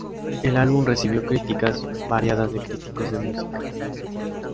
El álbum recibió críticas variadas de críticos de música.